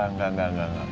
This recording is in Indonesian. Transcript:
engga engga engga